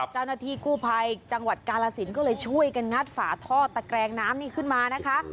เจ้าหน้าที่กู้ภัยจังหวัดกาลสินก็เลยช่วยกันงัดฝาท่อตะแกรงน้ำนี่ขึ้นมานะคะ